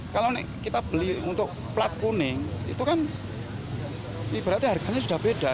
kalau kita beli untuk plat kuning itu kan ibaratnya harganya sudah beda